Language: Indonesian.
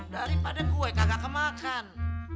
daripada kue kagak kemakan